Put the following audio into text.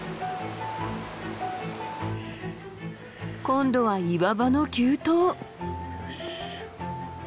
今度は岩場の急登！